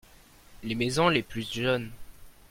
Les maisons les plus jaunes.